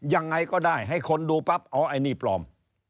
ยังไงก็ได้ให้คนดูปั๊บอ๋อไอ้นี่ปลอม